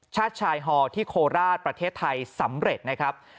ชายฮอที่โคราชประเทศไทยสำเร็จนะครับ